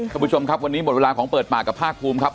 คุณผู้ชมครับวันนี้หมดเวลาของเปิดปากกับภาคภูมิครับ